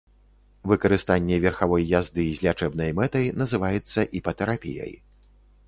Выкарыстанне верхавой язды з лячэбнай мэтай называецца іпатэрапіяй.